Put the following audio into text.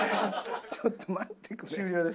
ちょっと待ってくれ。